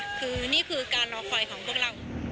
คือนี่คือการรอคอยของพวกเรา